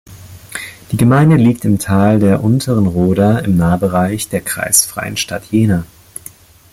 Die Gemeinde liegt im Tal der unteren Roda im Nahbereich der kreisfreien Stadt Jena.